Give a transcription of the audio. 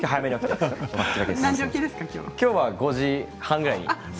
きょうは５時半ぐらいに。